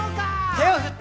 「手を振って」